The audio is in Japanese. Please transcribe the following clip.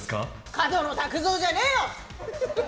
角野卓造じゃねーよ！